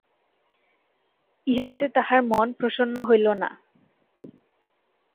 ইহাতে তাঁহার মন প্রসন্ন হইল না।